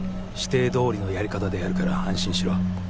「指定通りのやり方でやるから安心しろ」